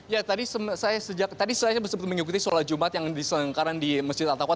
ya tadi saya sempat mengikuti sholat jumat yang diselenggarakan di masjid al taqwa